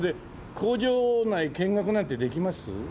工場内見学なんてできます？